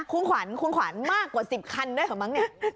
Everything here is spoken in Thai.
คุณขวัญคุณขวัญมากกว่า๑๐คันด้วยเหรอมั้งเนี่ย